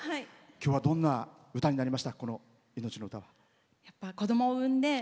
きょうはどんな歌になりました？